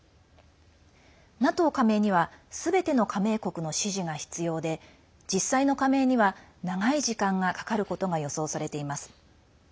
ＮＡＴＯ加盟にはすべての加盟国の支持が必要で実際の加盟には長い時間がかかることが予想されています。